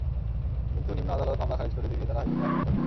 কিন্তু নিম্ন আদালত মামলা খারিজ করে দিলে তাঁরা হাইকোর্টে আপিল করেন।